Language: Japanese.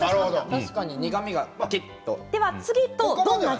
確かに苦みがキリっと。